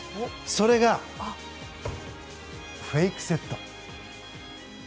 それが、フェイクセット。